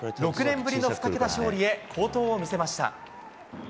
６年ぶりの２桁勝利へ好投を見せました。